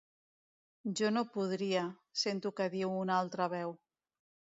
Jo no podria —sento que diu una altra veu.